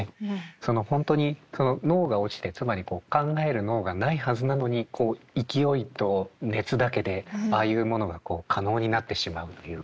その本当に脳が落ちてつまり考える脳がないはずなのにこう勢いと熱だけでああいうものが可能になってしまうっていうか。